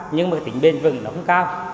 nhưng mà tỉnh bên vực nó không cao